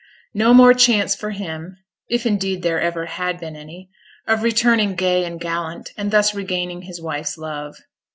No more chance for him, if indeed there ever had been any, of returning gay and gallant, and thus regaining his wife's love.